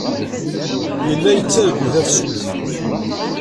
Yella yettargu tafsut.